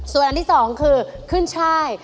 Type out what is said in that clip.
ส่วนอันที่สองคือขึ้นช่าย